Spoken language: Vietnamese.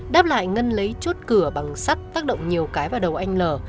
đáp lại ngân lấy chốt cửa bằng sắt tác động nhiều cái vào đầu anh l